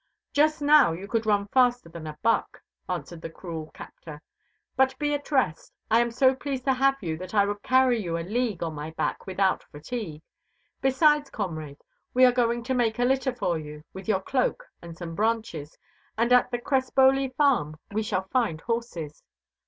"Just now you could run faster than a buck," answered the cruel captor; "but be at rest. I am so pleased to have you that I would carry you a league on my back without fatigue. Besides, comrade, we are going to make a litter for you with your cloak and some branches, and at the Crespoli farm we shall find horses."